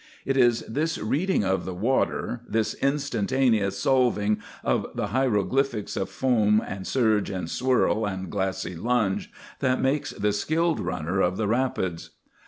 It is this reading of the water, this instantaneous solving of the hieroglyphics of foam and surge and swirl and glassy lunge, that makes the skilled runner of the rapids.